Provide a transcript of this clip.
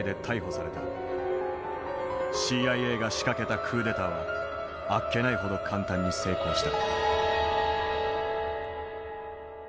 ＣＩＡが仕掛けたクーデターはあっけないほど簡単に成功した。